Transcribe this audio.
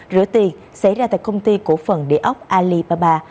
rửa tiền xảy ra tại công ty cổ phần địa ốc alibaba